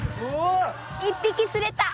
１匹釣れた。